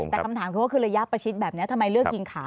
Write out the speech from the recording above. แต่คำถามคือว่าคือระยะประชิดแบบนี้ทำไมเลือกยิงขา